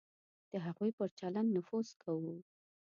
د هغوی پر چلند نفوذ کوو.